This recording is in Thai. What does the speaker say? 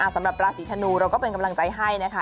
สำหรับราศีธนูเราก็เป็นกำลังใจให้นะคะ